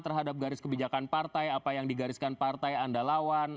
terhadap garis kebijakan partai apa yang digariskan partai anda lawan